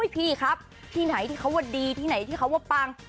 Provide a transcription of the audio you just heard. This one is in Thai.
ภีร์ครับที่ไหนที่เขาดีที่ไหนที่เขาปัง